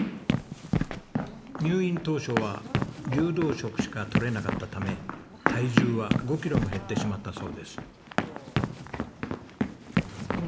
入院当初は流動食しか取れなかったため体重は５キロも減ってしまったそうです。